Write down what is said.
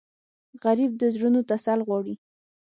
غریب د زړونو تسل غواړي